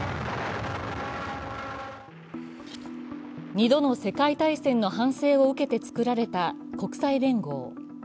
２度の世界大戦の反省を受けて作られた国際連合。